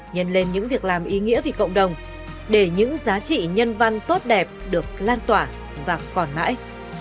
nhân lên những việc làm ý nghĩa vì cộng đồng để những giá trị nhân văn tốt đẹp được lan tỏa và còn mãi